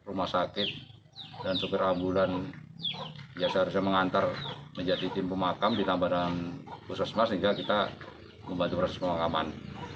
rumah sakit dan sopir ambulan biasa biasa mengantar menjadi tim pemakaman